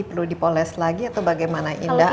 perlu dipoles lagi atau bagaimana indah